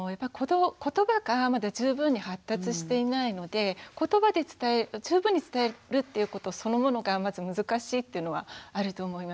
言葉がまだ十分に発達していないので言葉で十分に伝えるっていうことそのものがまず難しいっていうのはあると思います。